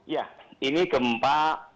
ya ini gempa